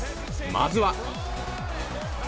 まずは。